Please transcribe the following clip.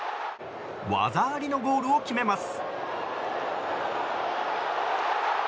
技ありのゴールを決めます。